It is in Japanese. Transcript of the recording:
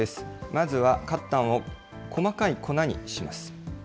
まずは褐炭を細かい粉にします。